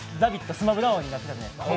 スマブラ王になったじゃないですか。